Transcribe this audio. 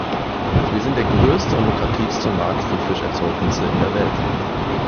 Wir sind der größte und lukrativste Markt für Fischerzeugnisse in der Welt.